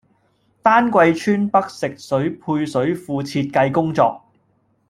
丹桂村北食水配水庫設計工作